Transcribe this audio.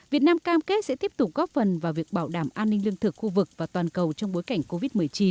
việt nam cam kết sẽ tiếp tục góp phần vào việc bảo đảm an ninh lương thực khu vực và toàn cầu trong bối cảnh covid một mươi chín